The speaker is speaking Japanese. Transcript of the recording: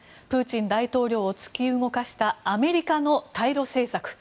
プーチン大統領を突き動かしたアメリカの対ロ政策。